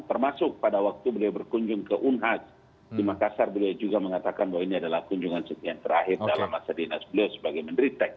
termasuk pada waktu beliau berkunjung ke unhas di makassar beliau juga mengatakan bahwa ini adalah kunjungan sekian terakhir dalam masa dinas beliau sebagai menteri teknis